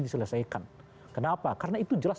diselesaikan kenapa karena itu jelas